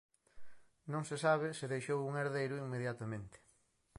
Non se sabe se deixou un herdeiro inmediatamente.